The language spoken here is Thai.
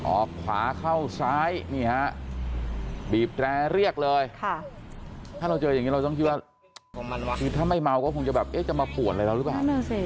ออกขวาเข้าซ้ายนี่ฮะบีบแตรเรียกเลยถ้าเราเจออย่างนี้เราต้องคิดว่าคือถ้าไม่เมาก็คงจะแบบเอ๊ะจะมาปวดอะไรเราหรือเปล่า